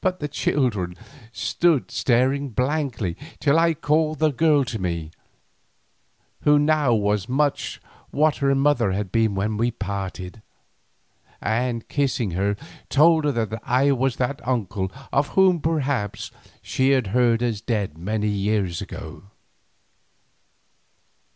But the children stood staring blankly till I called the girl to me, who now was much what her mother had been when we parted, and kissing her, told her that I was that uncle of whom perhaps she had heard as dead many years ago.